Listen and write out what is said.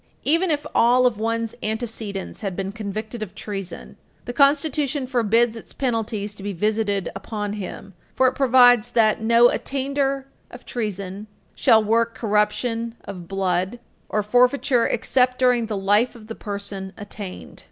Even if all of one's antecedents had been convicted of treason, the Constitution forbids its penalties to be visited upon him, for it provides that "no attainder of treason shall work corruption of blood, or forfeiture except during the life of the person attainted."